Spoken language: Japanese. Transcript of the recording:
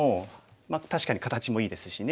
まあ確かに形もいいですしね。